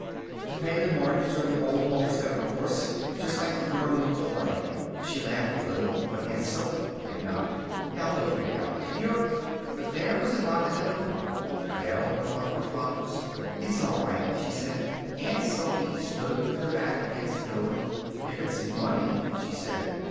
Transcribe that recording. "To pay the mortgage on the old homestead, of course. Just like the girl in the play." She laughed a little. But Aunt Sophy did not. "Now look here, Della. If you're " But there was a knock at the door. Adele caught up her flowers. "It's all right," she said. Aunt Sophy stood with her back against the door. "If it's money," she said.